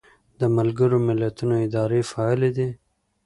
د ملګرو ملتونو ادارې فعالې دي